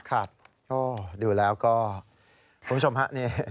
ค่ะโอ้ดูแล้วก็คุณผู้ชมฮะ